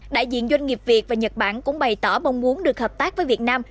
đại diện doanh nghiệp việt và nhật bản cũng bày tỏ mong muốn được hợp tác với việt nam